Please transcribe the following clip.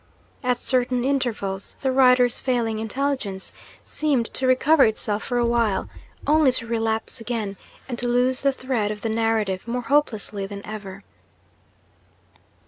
At certain intervals the writer's failing intelligence seemed to recover itself for a while; only to relapse again, and to lose the thread of the narrative more hopelessly than ever.